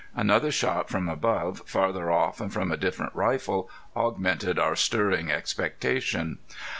Another shot from above, farther off and from a different rifle, augmented our stirring expectation.